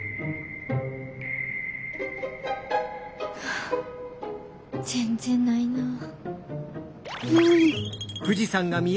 はあ全然ないなあ。